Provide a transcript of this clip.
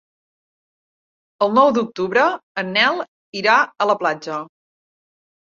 El nou d'octubre en Nel irà a la platja.